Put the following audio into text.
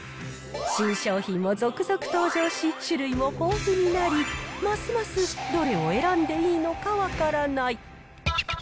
新商品も続々登場し、種類も豊富になり、ますますどれを選んでいいのか分からない。